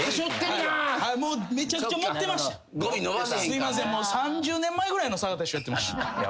すいません３０年前ぐらいの坂田師匠やってました。